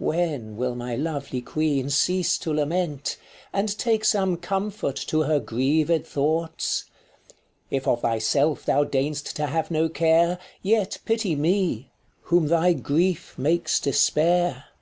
When will my lovely queen cease to lament, 5 And take some comfort to her grieved thoughts ? If of thyself thou deign'st to have no care, Yet pity me, whom thy grief makes despair. Cor.